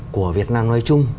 của việt nam nói chung